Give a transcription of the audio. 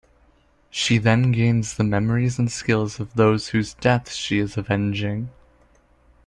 She then gains the memory and skills of those whose deaths she is avenging.